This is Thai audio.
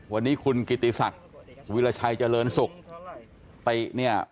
วันนี้คุณกิติศักดิ์วิราชัยเจริญสุขติเนี่ย